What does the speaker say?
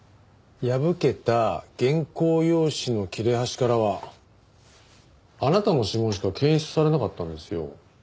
破けた原稿用紙の切れ端からはあなたの指紋しか検出されなかったんですよ。